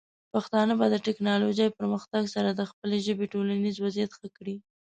پښتانه به د ټیکنالوجۍ پرمختګ سره د خپلې ژبې ټولنیز وضعیت ښه کړي.